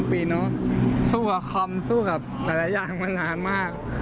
ปีเนอะสู้กับคอมสู้กับหลายอย่างมานานมาก